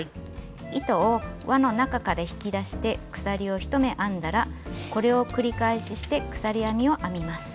糸を輪の中から引き出して鎖を１目編んだらこれを繰り返しして鎖編みを編みます。